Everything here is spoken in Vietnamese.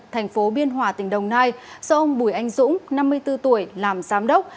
thành phố biên hòa tỉnh đồng nai do ông bùi anh dũng năm mươi bốn tuổi làm giám đốc